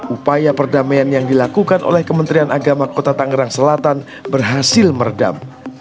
upaya perdamaian yang dilakukan oleh kementerian agama kota tangerang selatan berhasil meredam